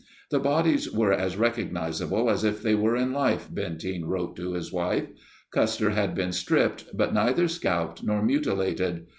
"The bodies were as recognizable as if they were in life," Benteen wrote to his wife. Custer had been stripped but neither scalped nor mutilated.